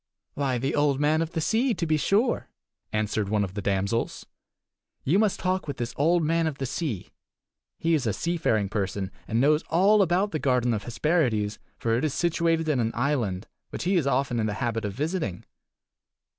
"Why, the Old Man of the Sea, to be sure," answered one of the damsels. "You must talk with this Old Man of the Sea. He is a seafaring person, and knows all about the garden of Hesperides, for it is situated in an island, which he is often in the habit of visiting."